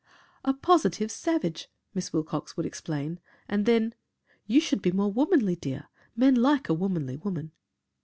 "A positive savage," Miss Wilcox would explain and then, "You should be more womanly, dear; men like a womanly woman."